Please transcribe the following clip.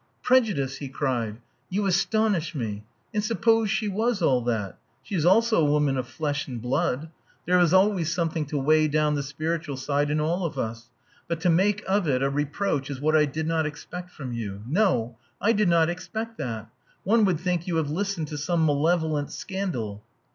"Prejudice!" he cried. "You astonish me. And suppose she was all that! She is also a woman of flesh and blood. There is always something to weigh down the spiritual side in all of us. But to make of it a reproach is what I did not expect from you. No! I did not expect that. One would think you have listened to some malevolent scandal."